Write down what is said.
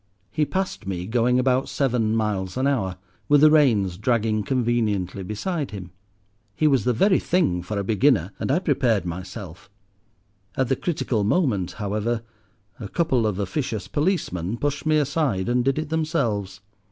He passed me going about seven miles an hour, with the reins dragging conveniently beside him. He was the very thing for a beginner, and I prepared myself. At the critical moment, however, a couple of officious policemen pushed me aside and did it themselves.